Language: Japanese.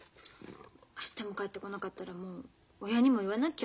明日も帰ってこなかったらもう親にも言わなきゃ。